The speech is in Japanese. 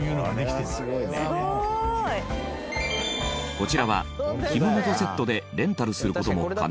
こちらは着物とセットでレンタルする事も可能。